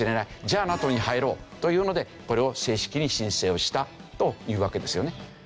じゃあＮＡＴＯに入ろうというのでこれを正式に申請をしたというわけですよね。